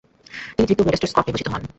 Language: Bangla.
তিনি তৃতীয় গ্রেটেস্ট স্কট নির্বাচিত হন।